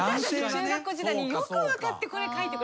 中学校時代によく分かってこれ書いてくれたって。